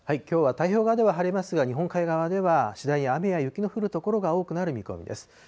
きょうは太平洋側では晴れますが、日本海側では次第に雨や雪の降る所が多くなる見込みです。